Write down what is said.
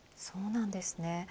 そうなんですね。